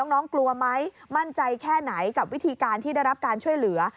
น้องกลัวไหมมั่นใจแค่ไหนกับวิธีการที่ได้รับการช่วยเหลือ